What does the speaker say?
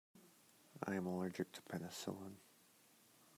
I am allergic to penicillin.